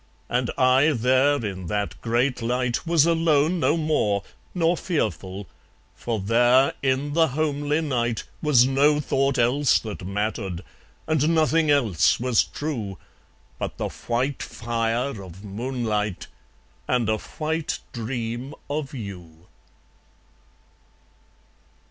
And I there in that great light Was alone no more, nor fearful; For there, in the homely night, Was no thought else that mattered, And nothing else was true, But the white fire of moonlight, And a white dream of you.